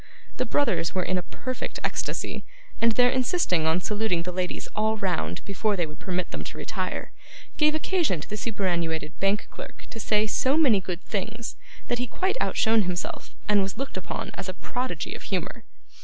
The brothers were in a perfect ecstasy; and their insisting on saluting the ladies all round, before they would permit them to retire, gave occasion to the superannuated bank clerk to say so many good things, that he quite outshone himself, and was looked upon as a prodigy of humour.